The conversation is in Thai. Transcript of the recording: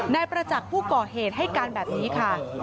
นายประจักษ์ผู้ก่อเหตุให้การแบบนี้ค่ะ